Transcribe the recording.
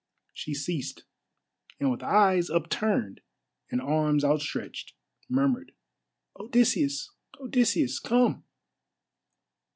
She ceased, and with eyes upturned and arms outstretched murmured, "Odysseus! Odysseus! Come."